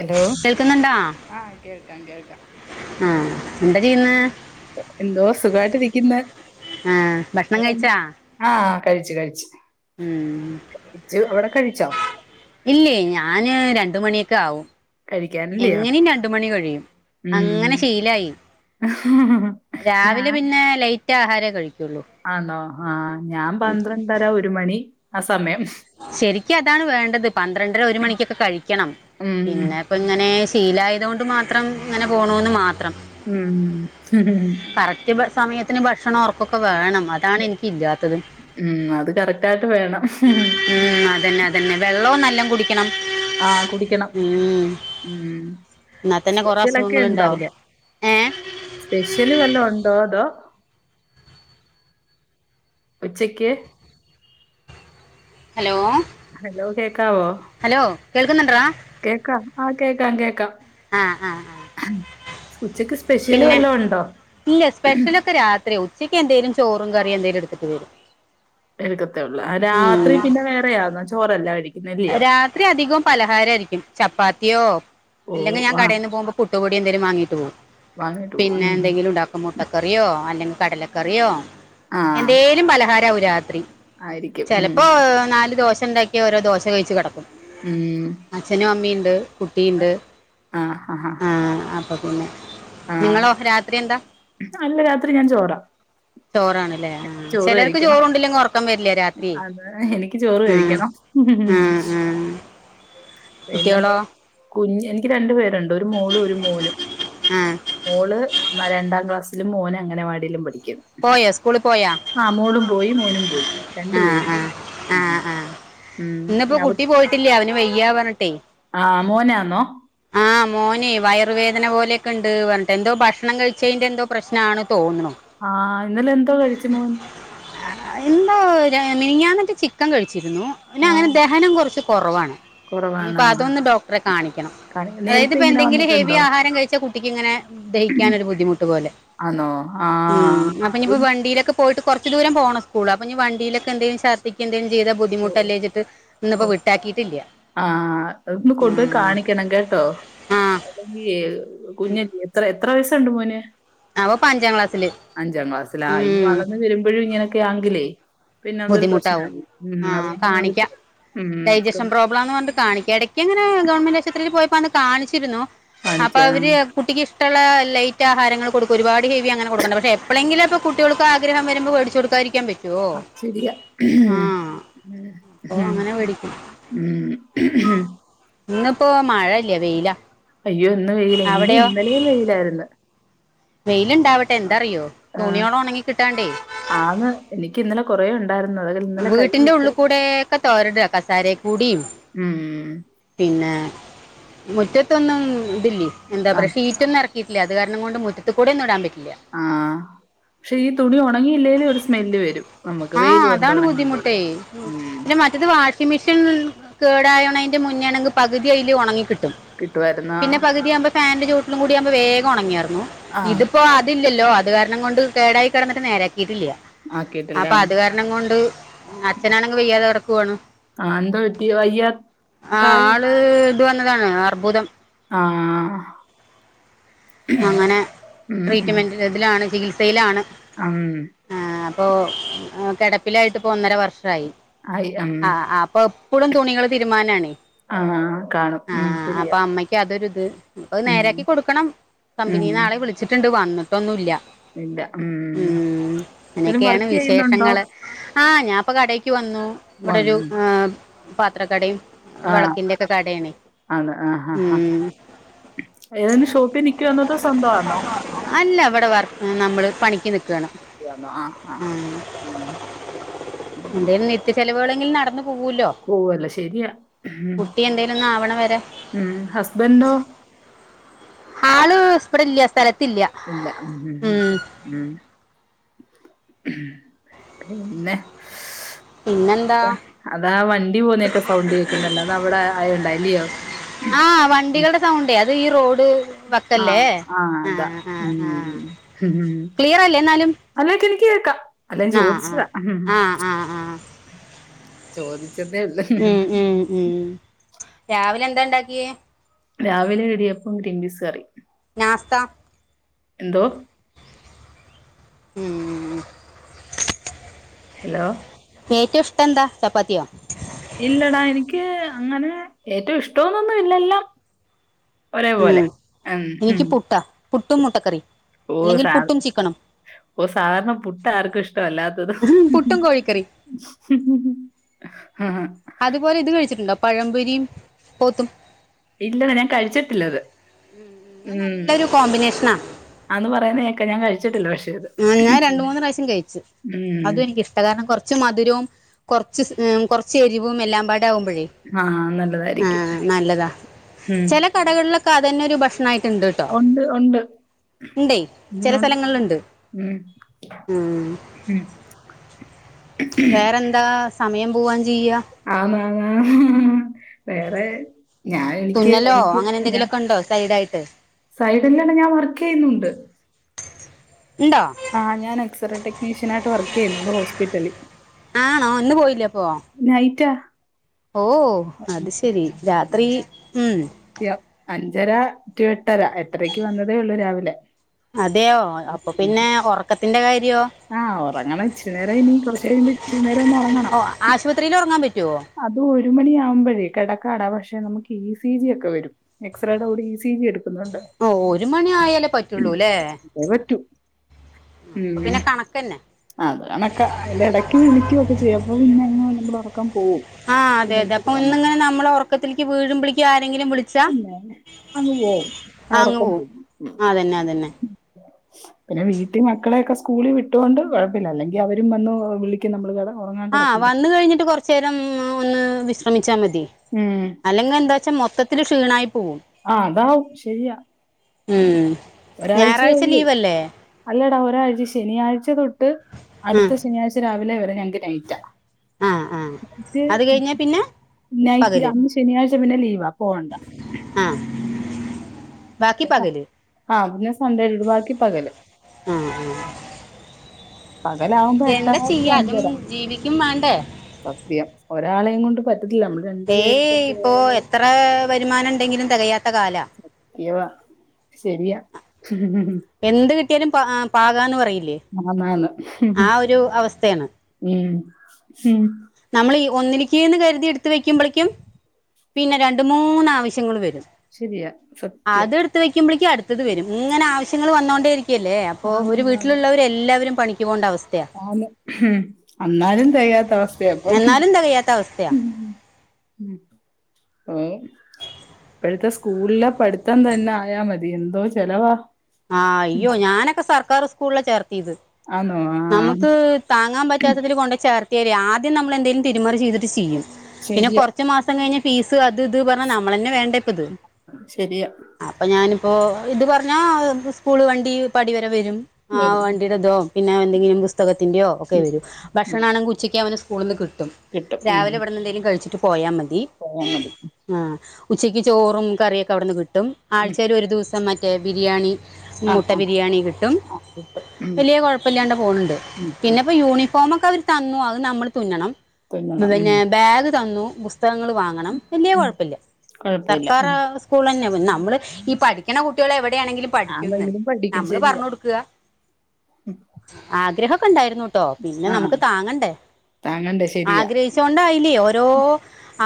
Hello ആഹ് കേൾക്കാം കേൾക്കാ ആഹ് എന്ത ചെയ്യുന്നെ എന്തോ സുഖായിട്ടിരിക്കുന്നെ ആ ഭക്ഷണം കഴിച്ചാ ആഹ് കഴ്ച്ചു കഴ്ച്ചു ഉം ഇജ് ഒരൊക്കെ കഴിച്ചോ ഇല്ലേയ് ഞാന് രണ്ട് മണിയൊക്കെ ആവും കഴിക്കാനില്ലയോ എങ്ങനിം രണ്ടു മണി കഴിയും ഉം അങ്ങനെ ശീലായി രാവിലെ ഞാൻ പിന്നെ ലൈറ്റ് ആഹാരേ കഴിക്കുള്ളൂ ആണോ ആ ഞാൻ പന്ത്രണ്ടര ഒരു മണി ആ സമയം ശരിക്കുതാണ് വേണ്ടത് പന്ത്രണ്ടര ഒരു മണിക്കൊക്കെ കഴിക്കണം ഉം പിന്നെ പ്പങ്ങനെ ശീലയതോണ്ട് മാത്രം ങ്ങനെ പോണൂന്ന് മാത്രം ഉം കറക്റ്റ് സമയത്തിന് ഭക്ഷണം ർക്കൊക്കെ വേണം അതാണ് ഇൻക്കില്ലാത്തത് ഉം അത് കറക്റ്റായിട്ട് വേണം ഉം അതന്നെ അതന്നെ വെള്ളും നല്ലോം കുടിക്ക് കുടിക്കണം ആഹ് കുടിക്കണം ഉം ന്നാത്തന്നെ കൊറെ സ്പെഷ്യലൊക്കെ ഉണ്ടോ അസുഖങ്ങളുണ്ടാവില്ല സ്പെഷ്യല് വല്ലോ ഉണ്ടോ തോ ഉച്ചെയ്ക്ക് ഹലോ ഹലോ കേക്കാവോ ഹലോ കേൾക്കുന്നുണ്ടടാ കേക്കാം ആ കേക്കാം കേക്കാം ആഹ് ആഹ് ആഹ് ഉച്ചക്ക് സ്പെഷ്യല് വല്ലോണ്ടോ ഇല്ല സ്പെഷ്യലൊക്കെ രാത്രിയാ ഉച്ചക്ക്ന്തേലും ചോറും കറിയും എന്തേലും ടുത്തിട്ട് വരും എട്ക്കത്തേള്ള രാത്രി ഉം പിന്നെ വേറെയാന്നൊ ചോറല്ലയിരിക്കും രാത്രിധികവും പലഹാരയിരിക്കും ചപ്പാത്തിയോ ഓ അല്ലെങ്കിൽ ഞാൻ ആഹ് കടെന്ന് പോകുമ്പോ പുട്ടുപൊടി ന്തെങ്കിലും വാങ്ങീട്ട് പോകും വാങ്ങിട്ട് പോവും ഉം പിന്നെന്തെങ്കിലുണ്ടാക്കും മുട്ടക്കറിയോ അല്ലെങ്കിൽ കടലക്കറിയോ ആഹ് എന്തേലും പലഹാരാകും രാത്രി ആയിരിക്കും ഉം ചെലപ്പോ നാല് ദോശണ്ടാക്കിയാ ഓരോ ദോശ കയ്ച്ച് കെടക്കും ഉം അച്ഛനും അമ്മിണ്ട് കുട്ടിണ്ട് ആഹ് അപ്പൊ പിന്നെ ആഹ് നിങ്ങളോ രാത്രി എന്താ അല്ല രാത്രി ഞാൻ ചോറാ ചോറാണ്ല്ലേ ആ ചോറ് ചെലോർക്ക് കഴിക്കണം ചോറു ണ്ടില്ലെങ്കി ഒറക്കം വരില്ല രാത്രി ഉം ഉം ഹും പിന്നെ മു കുട്ടികളോ കുഞ് എൻക്ക് രണ്ടു പേരുണ്ട് ഒരു മോളും ഒരു മോനും ആഹ് മോള് രണ്ടാം ക്ലാസ്സിലും മോന് അങ്ങനവാടിയിലും പഠിക്ക പോയോ സ്കൂളിൽ പോയാ ആ മോളും പോയി മോനും പോയി രണ്ടു ആഹ് പേരും പോയി ആഹ് ആഹ് ആഹ് ഉം ഇന്നിപ്പോ കുട്ടി പോയിട്ടില്ലാ അവന് വയ്യാ പറഞ്ഞിട്ടെയ് ആ മോനാന്നോ മോനെ വയറുവേദന പോലെയൊക്കെണ്ട് പറഞ്ഞിട്ട് എന്തോ ഭക്ഷണം കഴിച്ചതിൻ്റെ എന്തോ പ്രശ്നാണ് തോന്നുണു ആ ഇന്നലെ എന്തോ കഴിച്ചു മോൻ എന്തോ മിനിഞാന്നറ്റെ ചിക്കൻ കഴിച്ചിരുന്നു പിന്നെ ഓനങ്ങനെ ആഹ് ദഹനം കുറച്ച് കുറവാണ് ഇനിയിപ്പോ കുറവാണോ അതൊന്ന് ഡോക്ടറെ കാണിക്കണം അതായത് നേരത്തെ പ്പൊ ഇങ്ങനെ എന്തെങ്കിലും ഹെവി വന്നിട്ടുണ്ടോ ആഹാരം കഴിച്ചാ കുട്ടി ഇങ്ങനെ ദഹിക്കാനൊരു ബുദ്ധിമുട്ട് പോലെ ആണോ ആ ഉം അപ്പൊ ഇനിയിപ്പോ വണ്ടിയിലൊക്ക പോയിട്ട് കുറച്ച് ദൂരം പോണം സ്കൂൾ അപ്പഞി വണ്ടിയിലൊക്കെ എന്തേ ചർധി ഛർദിക്കെ എന്തെലും ചെയ്ത ബുദ്ധിമുട്ടല്ലേച്ചിട്ട് ഇന്ന്പ്പോ വിട്ടാക്കിയിട്ടില്ല ആഹ് അതന്ന് കൊണ്ടോയി ഉം കാണിക്കണം കേട്ടോ ആഹ് അല്ലെങ്കി കുഞ്ഞല്ലെ എ എത്ര വയസുണ്ട് മോന് അവ ഇപ്പ അഞ്ചാം ക്ലാസ്സില് അഞ്ചാം ക്ലാസ്സിലാ ആ ഇനി ഉം വളർന്ന് വരുമ്പോഴുങ്ങനെ ക്കെങ്കിലേ പിന്നെ അതൊരു ബുദ്ധിമുട്ടാവും പ്രശ്നായി ഉം അതൊ ആഹ് നേ കാണിക്കാം ഉം [unintelligible] കാണിക്ക ഇടക്ക്ങ്ങനെ ഗവൺമെന്റ് ആശുപത്രിയിൽ പോയപ്പോ അന്ന് കാണിച്ചിരുന്നു അപ്പൊ കാണിച്ച അവര് കുട്ടിക്ക്ഷ്ടള്ള ലൈറ്റാഹാരങ്ങൾ കൊടുക്കും ഒരുപാട് ഹെവി അങ്ങനെ കൊടുക്കണ്ട് പക്ഷെ എപ്പോഴെങ്കിലുംപ്പൾ കുട്ടികൾക്ക് ആഗ്രഹം വരുമ്പോ മേടച്ച് കൊടുക്കും- സംസാരിക്കാൻ പറ്റുവോ? അത് ശരിയാ ആഹ് അപ്പൊ ഉമ് അങ്ങനെ മേടിക്കും മ്മ് [unintelligible] ഇന്ന്പ്പോ മഴല്ല വെയില അയ്യോ ഇന്ന് വെയില ഇന്നും ന്നലെയും വെയിയിലായിരുന്നു. വെയില്ണ്ടാവട്ടെ ന്താറിയോ ആ തുണോള് ഉണങ്ങി കിട്ടാണ്ടേ ആന്ന് എനിക്ക് ഇന്നലെ കൊറേ ഉണ്ട്. ണ്ടാർന്നു അതിൽ- വീട്ടിന്റെ ഉള്ളു കൂടെ ക്കെ തോരട കസാരയ കൂടിയൂം. ഉം പിന്നെ മുറ്റത്തൊന്നും ഇതല്ലേയ് എന്താ ആ പറ ഷീറ്റ് ഒന്ന ഇറക്ക റ്റില്ല അത് കാരണം കൊണ്ട് മുത്ത കൂടേ ന്നും ഇടാൻ പറ്റില്ല ആഹ് ക്ഷെ ഈ തുണി ഉണങ്ങിയില്ലെലും ഒരു സ്മെല്ല് വരും. നമുക്ക് ആഹ് വെയില് കൊണ്ട് അതാണ് ഉണങ്ങിയില്ലേല് ബുദ്ധിമുട്ടേ ഉം ന്നേ മ ഇത് വാഷിംഗ് മെഷീൻ കേടായണയ്ന്റെ മുന്നേണെങ്കിൽ പകുതി അയിൽ ഉണങ്ങി കിട്ടും. കിട്ടുമായിരുന്നാ പിന്നെ പകുതിയാവുമ്പ ഫാന്റെ ചൂട്ടിലും കൂടി ആവുമ്പോ വേഗം ഉണങാരുന്നു ആ ഇത് ഇപ്പൊ അതില്ലല്ലോ അത് കാരണം കൊണ്ട് കേടായി കെടന്നിട്ട് നേരാക്കിയിട്ടില്ലയ ആക്കിയിട്ടില്ല അപ്പൊ അത് കാരണം കൊണ്ട് അച്ഛനാണങ്ക വെയ്യാതെ കെടക്കുവാണ് ആ എന്തോ പറ്റി വയ്യ ആഹ് പ്രായോ ആള് ത് വന്നതാണ് അർബുദം. ആഹ് അങ്ങനെ ഉം ട്രീറ്റ്മെന്റ്ലാ തിലാണ് ചികിത്സയിലാണ് ആം ആഹ് അപ്പൊ കിടപ്പിലായിട്ട്പ്പോ ഒന്നര വർഷായി ആയി ഉം ആഹ് ആഹ് അപ്പൊ എപ്പളും തുണികൾ തിരുമ്മനാണ് ആഹ് കാണും ഉംമ് ശരിയാ- അമ്മയ്ക്ക് അതൊരിത് ഇപ്പ ഉം നേരാക്കി കൊടുക്കണം ഉം കമ്പനിന്ന് ആളെ വിളിച്ചിട്ടുണ്ട് വന്നിട്ടൊന്നുംല്ല. ഇല്ല ഉം ഉംമ് എന്തേലും അങ്ങനെയൊക്കെയാണ് വർക്ക് ചെയ്യുന്നുണ്ടോ വിശേഷങ്ങള് ആഹ് ഞാപ്പൊ കടേക്ക് വന്നു ഇവിടെരു വന്ന് പാത്രക്കടേ ആ വെളക്കിന്റെ ഒക്കെ കടയാണ് ഉംമ് എഹ് ഷോപ്പി നിൽക്കുവണോ അതോ സ്വന്തവാണോ? അല്ല വിടെ വർ നമ്മള് പണിക്ക് നിക്ക [unintelligible] ആഹ് ആഹ് ഉമ് ഉംമ് ത്യ ചെലവുകളെങ്കിലും നടന്ന് പോവോലോ പോവല്ല ശരിയാ കുട്ടി ന്തേലും ഒന്ന് ആവണ വരെ ഉമ് ഹസ്ബൻഡോ? ആള് സ് ഇവ്ടല്ല സ്ഥലത്തില്ല ഉംമ്- ഉംമ് മ് പിന്നെ- പിന്നെന്താ അത അതാ വണ്ടി പോവുന്നൊക്കെ സൗണ്ട് കേൾക്കുന്നല്ലോ അത് അവിടെ ആയ യോണ്ടാല്ല്യോ? ആ [unintelligible] വണ്ടികളുടെ സൗണ്ടേ അത് ഈ റോഡ് ആ വക്കല്ലേ ആ അതാ ആഹ് ആഹ് ഉം ആഹ് ക്ലിയറല്ലേ എന്നാലും? അല്ലക്കെനിക്ക് കേക്കാം അല്ല ഞാൻ ആ ആ ചോദിച്ചതാ ആ ആ ആ ചോദി [unintelligible] ഉംമ് ഉംമ്. രാവിലെന്താ ണ്ടാക്കിയെ? രാവിലെ എടിയപ്പം ഗ്രീൻപീസ് കറിയും. നാസ്ത എന്തോ? ഉം ഹലോ ഏറ്റവും ഇഷ്ട്ടം എന്താ ചപ്പാത്തിയോ ഇല്ലടാ എനിക്ക് അങ്ങനെ ഏറ്റവും ഇഷ്ടോന്നൊന്നും എല്ലാം ഉം ഉം എനിക്ക് പുട്ടാ പുട്ടും മൊട്ടക്കറി ഓഹ് സാദ് ഓഹ് സാധാരണ പുട്ട് ആർക്കും ഇഷ്ടല്ല പുട്ടും കോഴിക്കറി ആഹ് അതുപോലെ ഇത് കഴിച്ചിട്ടുണ്ടോ പഴംപൊരിയും പോത്തും ഇല്ല ഞാൻ കഴിച്ചിട്ടില്ലത് ഇത് ഉം നല്ലൊരു കോമ്പിനേഷനാ ആന്ന് പറയുന്ന കേക്കാം ഞാൻ കഴിച്ചിട്ടില്ല പക്ഷെ ഇത്. ഞാൻ രണ്ട് മൂന്ന് പ്രാവശ്യം കഴിച്ചു ഉം. അതും എനിക്ക് ഇഷ്ട കാരണം കൊറച്ച്- കൊറച്ച് മധുരവും കൊറച്ച് കൊ റച്ച് എരിവും എല്ലാം പാടാകുമ്പോഴേ ആഹ് നല്ലതായിരിക്കും. ആഹ് നല്ലതാ ഉം. ചെല കടകളിലൊക്കെ അത് തന്നെ ഒരു ഭക്ഷണായി മാറീട്ടുണ്ട് ഉണ്ട് ഉണ്ട്. ഉണ്ടേ ഉം ചെല ഉണ്ട്. സ്ഥലങ്ങളിലുണ്ട് ഉം ഉം ഉം. വേറെന്താ സമയം പോവാൻ ചെയ്യാ ആന് ആന് ആന് ആന് വേറെ - ഞാൻ എനിക്ക് തുന്നലോ എനിക്ക് അങ്ങനെ ഞ എന്തെങ്കിലുമൊക്കെ ഉണ്ടോ സൈഡായിട്ട് സൈഡല്ലണ് ഞാൻ വർക്ക് ചെയ്യുന്നുണ്ട് ഇണ്ടോ ആ ഞാൻ എക്സറേ ടെക്നീഷ്യൻായിട്ട് വർക്ക് ചെയ്യുന്നുണ്ട് ഹോസ്പിറ്റലിൽ ആണോ ഇന്ന് പോയില്ലേ അപ്പോ നൈറ്റാ ഓഹ് അത് ശരി രാത്രി ഉം അഞ്ചര ടു എട്ടര എട്ടരക്ക് വന്നതേയുള്ളൂ രാവിലെ അതെയോ അപ്പൊ പിന്നെ ഒറക്കത്തിന്റെ കാര്യോ ആഹ് ഒറങ്ങണം ഇച്ചിരിനേരം ഇനി കൊറച്ച് കഴിയുമ്പം ഇച്ചിരി നേരം ഒന്ന് ഒറങ്ങണം ഓ ആശുപത്രിയിൽ ഒറങ്ങാൻ പറ്റുമോ അത് ഒരു മണിയാവുമ്പോഴേ കിടക്കാടാ പക്ഷെ നമുക്ക് ഇ സി ജി ഒക്കെ വരും എക്സ്റേയുടെ കൂടി ഇ സി ജി എടുക്കുന്നുണ്ട് ഓഹ് ഒരു മണി ആ, ആയാലേ പറ്റുള്ളൂല്ലേ അതേ പറ്റൂ ആഹ് അപ്പൊ പിന്നെ കണക്ക് തന്നെ ആ അതുകണക്ക് അതിന്റെ ഇടയ്ക്കയും വിളിക്കുവ ഒക്കെ ചെയ്യും അപ്പ പിന്നെ അങ്ങ് നമ്മളെ ഒറക്കം പോവും ആഹ് അതെ അതെ അപ്പ ഒന്നിങ്ങനെ നമ്മള് ഒറത്തിലേക്ക് വീഴുമ്പഴേക്ക് ആരെങ്കിലും വിളിച്ച- പിന്നെ അങ്ങ് പോവും ആ അങ്ങ് ആഒറക്കം പോവും പോകും അതന്നെ അതന്നെ പിന്നെ വീട്ടിൽ മക്കളെയൊക്കെ സ്കൂളിൽ വിട്ടുകൊണ്ട് കൊഴപ്പില്ല അല്ലെങ്കിൽ അവരും വന്ന് വിള- നമ്മള് കെടന്ന് ഒറങ്ങാൻ കെടക്കുമ്പോ രം ഒന്ന് വിശ്രമിച്ചാൽ മതി ഉം അല്ലെങ്കിൽ എന്താവച്ചാൽ മൊത്തില് ക്ഷീണമായി പോകും ആഹ് അതാവും ശരിയാ ഉം ഞായറാഴ്ച ഒരാഴ്ചയേയുള്ളൂ ലീവല്ലേ അല്ലടാ ഒരാഴ്ച ശനിയാഴ്ച തൊട്ട് അടുത്ത ശനിയാഴ്ച രാവിലെ വരെ ഞങ്ങക്ക് നയിറ്റാ ആ ആ ആ അത് കഴിഞ്ഞാ പിന്നെ നൈറ്റ് അ [unintelligible] ശനിയാഴ്ച പിന്നെ ലീവാ പോവണ്ട ആഹ് ആഹ് പിന്നെ സൺണ്ടേയിലട് ബാക്കി പകല് ആഹ് ആഹ് പകലാവുമ്പോ എട്ടര ടു അതും അഞ്ചര ജീവിക്കും വേണ്ടേ സത്യം ഒരാളെയും കൊണ്ട് പറ്റത്തില്ല നമ്മള്- ഹേയ് ഇപ്പോ എത്ര വരുമാനം ഉണ്ടെങ്കിലും തെകയാത്ത കാലവ കിവ ശെരിയാ എന്ത് കിട്ടിയാലും പ ആ പാകാന്ന് പറയില്ലേ. ആന്ന് ആന്ന് ആ ഒരു അവസ്‌ഥെണ്. ഉം ഹും നമ്മൾ ഈ ഒന്നിലിക്കീന്ന് കര്തി ഇട്ത്ത് വെക്ക്യുമ്പളേക്കും പിന്നെ രണ്ട് മൂന്ന് ആവശ്യങ്ങള് വെരും. ശെരിയാ സത്യം. ത്ത് വെക്കുമ്പളേക്കും അട്ത്തത് വെരും ഇങ്ങനെ ആവശ്യങ്ങള് വന്നോണ്ടേയിരിക്കല്ലേ അപ്പോ ഒരു ആന്ന് ആന്ന് വീട്ടിലുള്ളവരെല്ലാവരും പണി ക്ക് പോണ്ട അവസ്ഥയാ ആന്ന് അന്നാലും തെയാത്ത അവസ്ഥയാ ഇപ്പം എന്നാലും തികയാത്ത അവസ്ഥയാ ഉം ഏഹ് ഇപ്പഴത്തെ സ്കൂളിലെ പഠിത്തം തന്നെ ആയാ മതി എന്തോ ചെലവാ. ആഹ് അയ്യോ ഞാനൊക്കെ സർക്കാർ സ്കൂളിലാ ചേർത്തീത് ആന്നോ ആഹ് നമക്ക് താങ്ങാൻ പറ്റാത്തതിൽ കൊണ്ടെയ് ചേർത്ത്യാലേ ആദ്യം നമ്മൾ എന്തേലും തിര്മറി ചെയ്തിട്ട് ചെയ്യും പിന്നെ ശരിയാ കൊർ ച്ച് മാസം കഴിഞ്ഞ ഫീസ് അത് ഇത് പർഞ്ഞാ നമ്മളെ ന്നെ വേണ്ടേ ഉം ശെരിയാ അപ്പൊ ഞാനിപ്പോ ഇത് പർഞ്ഞാ എന്ത് സ്കൂള് വണ്ടി പടിവരെ വെരും. ആ വരും വണ്ടിടെതോ പിന്നെ എന്തെങ്കിലും പുസ്തകത്തിൻ്റ്യൊ ഒക്കെ ഉം വരും ഉം ഭക്ഷണാണെങ്കി ഉ ച്ചയ്ക്ക് അവന് സ്കൂള്ന്ന് കിട്ടും കിട്ടും ഉം രാവിലെ ഇവട്ന്നെ ന്തേലും കഴിച്ചിട്ട് പോയാ മതി. പോയാ മതി. ആഹ് ഉച്ചക്ക് ചോറും കറിയൊക്കെ അവ്ട്ന്ന് കിട്ടും ഉം ആഴ്ച്ചേൽ ഒര് ദുവസം മറ്റേ ബിരിയാണി ആഹ് മുട്ട ആഹ് ബിരിയാണി കിട്ടും ആഹ് കിട്ടും ഉം വെല്ല്യെ കൊഴപ്പില്ലാണ്ട് പോണ് ണ്ട് ഉം ഉം പിന്നെ പ്പോ യൂണി ഫോമൊക്കവര് തന്നു അത് നമ്മള് തുന്നണം തുന്നണം ഉം പിന്നെ ബാഗ് തന്നു പുസ്തകങ്ങള് വാങ്ങണം. വല്ല്യേ ഉം കൊഴപ്പല്ല കൊഴപ്പല്ല സർക്കാർ ഉം സ്കൂളെന്നാ പിന്നമ്മള് ഈ പഠിക്കണ കുട്ട്യോള് എവടെണെങ്കിലും പ ക്കുന്ന് ആന്നെങ്കിലും പഠിക്കും നമ്മള് ശരിയാ പർഞ്ഞൊട്ക്ക ഉം ആഗ്രഹൊക്കണ്ടായിര്ന്നു. ട്ടോ പിന്നെ ആഹ് നമക്ക് താങ്ങണ്ടേ താങ്ങണ്ടേ ശരിയാ ആഗ്രഹി ച്ചോണ്ടായില്ലേ ഓരോ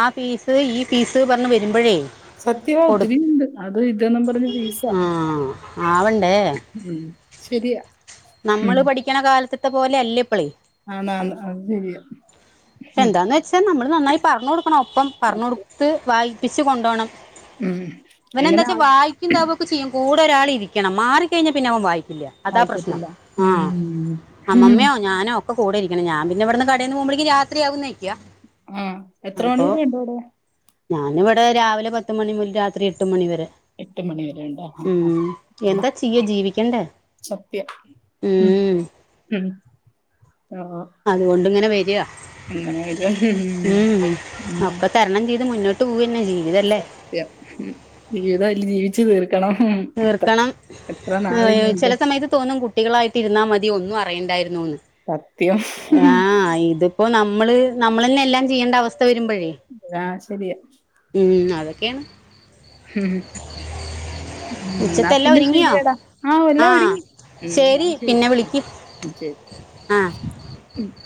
ആ പീസ് ഈ പീസ് പർഞ്ഞ് വെരുമ്പഴേ സത്യവാ ഒത്തിരിയുണ്ട് അത് ഇത് ന്ന് പർഞ്ഞ് ഫീസ ആ [unintelligible] ആവണ്ടേ ഉം ശെര്യാ നമ്മള് പഠിക്കണ കാലത്തത്തെ പോലെ അല്ല ഇപ്പളേ ആന്നാന്ന് അത് ശരിയാ ഉം എന്താന്ന് വെച്ചാ നമ്മള് നന്നായി പർഞ്ഞൊട്ക്കണം ഒപ്പം അപ്പ പർഞ്ഞൊട് ത്ത് വായിപ്പിച്ച് കൊണ്ടോണം ഉം എങ്ങനെ ആ ഇവനെന്താച്ചാ വായിക്കുന്തബു ക്കെ ചെയ്യും കൂടെ ഒരാളിരിക്കണം മാറിക്കഴിഞ്ഞാ പിന്നെ അവൻ വായിക്കില്ല. അതാ പ്രശ്നം വായിക്കത്തില്ല ഉം ഉം ഞാനൊക്കൊ കൂടെ രിക്കണം ഞാൻ പിന്നെ ഇവട്ന്ന് കടേന്ന് പോവുമ്പളേക്ക് രാത്രിയാകുന്ന് വെക്ക്യാ ഉം എത്ര മണിവരെ ഉണ്ട് വടെ? ഞാനിവിടെ രാവിലെ പത്ത് മണി മുത് രാത്രി എട്ട് മണിവരെ എട്ട് മണി വരെ ഉണ്ടോ ആഹ് ഉം ആഹ് എന്താ ചെയ്യ ജീവിക്കണ്ടേ. സത്യം ഉം ഉം ആഹ് അതൊണ്ട്ങ്ങനെ വെരാ [unintelligible] വെരാ ഉം ഒക്കെ തരണം ചെയ്ത് മുന്നോട്ട് പോവെന്നെ ജീവിതല്ലേ. ത്യം ജീവിതം ലീവിച്ച് തീർക്കണം. എത്ര തീർക്കണം എത്ര ഏഹ് നാളിനിയുണ്ട് ചെലെ സമയത്ത് തോന്നും കു ട്ടികളായിട്ടിര്ന്നാ മതി ഒന്നും അറിയണ്ടായിരുന്നൂന്ന്. സത്യം പ്പോ നമ്മള് നമ്മളെന്നെ എല്ലാം ചെയ്യേണ്ട അവസ്ഥ വെരുമ്പഴേ ആഹ് ശെരിയാ ഉം അതൊക്കെണ്. ഹ് ഹും ഇന്നാ ഉച്ചത്തെല്ലാം പിന്നെ ഒരുങ്ങിയോ ശരിയെടാ, ആഹ് എല്ലാം ഒരുങ്ങി. ഉം എന്ന ശരി. പിന്നെ വിളിക്ക് ഉം ശെരി ആഹ് [unintelligible]